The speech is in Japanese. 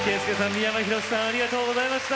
三山ひろしさんありがとうございました。